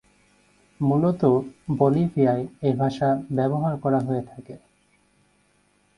মূলতঃ বলিভিয়ায় এ ভাষা ব্যবহার করা হয়ে থাকে।